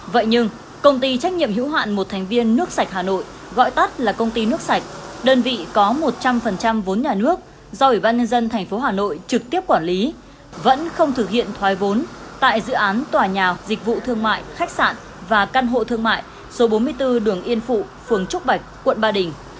vậy nhưng công ty trách nhiệm hữu hạn một thành viên nước sạch hà nội gọi tắt là công ty nước sạch đơn vị có một trăm linh vốn nhà nước do ủy ban nhân dân tp hà nội trực tiếp quản lý vẫn không thực hiện thoái vốn tại dự án tòa nhà dịch vụ thương mại khách sạn và căn hộ thương mại số bốn mươi bốn đường yên phụ phường trúc bạch quận ba đình